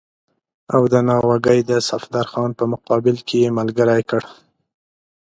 او د ناوګۍ د صفدرخان په مقابل کې یې ملګری کړ.